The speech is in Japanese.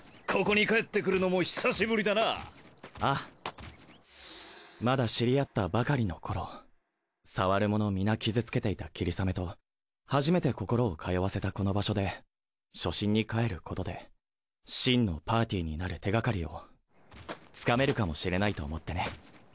ここに帰ってくるのも久しぶりだなああまだ知り合ったばかりの頃触るモノみな傷つけていたキリサメと初めて心を通わせたこの場所で初心にかえることで真のパーティになる手がかりをつかめるかもしれないと思ってね